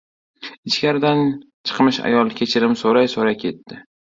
Ichkaridan chiqmish ayol kechirim so‘ray-so‘ray ketdi.